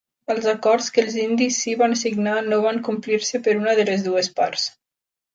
Els acords que els indis sí van signar no van complir-se per una de les dues parts.